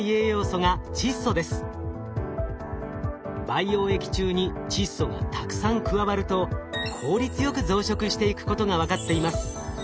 培養液中に窒素がたくさん加わると効率よく増殖していくことが分かっています。